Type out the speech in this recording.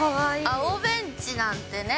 青ベンチなんてね。